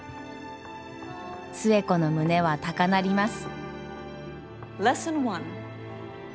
寿恵子の胸は高鳴ります。